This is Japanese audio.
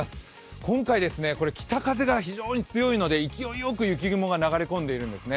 今回、北風が非常に強いので、勢いよく雪雲が流れ込んでいるんです。